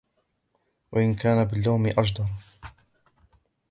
وَإِنْ كَانَ بِاللَّوْمِ أَجْدَرَ